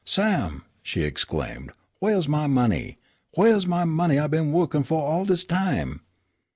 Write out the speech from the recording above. "Sam," she exclaimed, "whaih's my money? Whaih's my money I been wo'kin' fu' all dis time?"